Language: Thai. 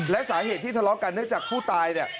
และสาเหตุที่ทะเลาะกันเนื่องจากผู้ตายเนี่ย